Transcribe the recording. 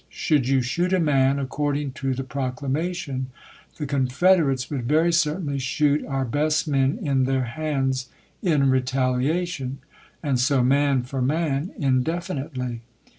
Should you shoot a man, according to the proc lamation, the Confederates would very certainly shoot oui' best men in their hands in retaliation ; and so, man for man, indefinitely.